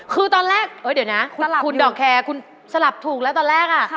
คือตอนแรกเดี๋ยวนะคุณดอกแคร์คุณสลับถูกแล้วตอนแรก